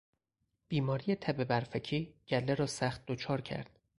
بیماری تب برفکی گله راسخت دچار کرد.